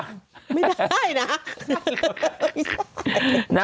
ไม่ได้นะ